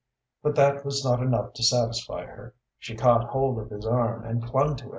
But that was not enough to satisfy her. She caught hold of his arm and clung to it.